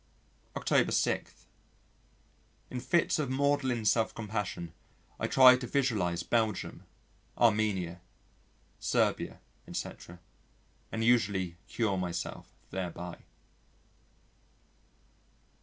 October 6. In fits of maudlin self compassion I try to visualise Belgium, Armenia, Serbia, etc., and usually cure myself thereby.